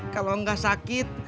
kalau gak sakit